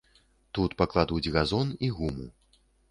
Тут пакладуць газон і гуму.